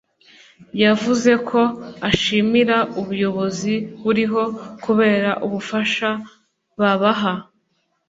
yavuze ko ashimira ubuyobozi buriho kubera ubufasha babaha